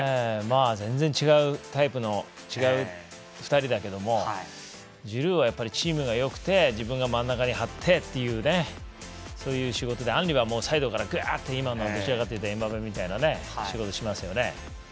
全然、違うタイプの違う２人だけれどもジルーはチームがよくて自分が真ん中に張ってというそういう仕事でアンリはサイドで押し上がって今のエムバペみたいな仕事をしますよね。